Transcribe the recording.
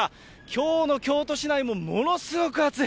きょうの京都市内もものすごく暑い。